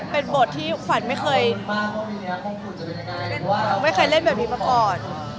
เป็นบทที่ขวัญไม่เคยเล่นแบบนี้มาก่อน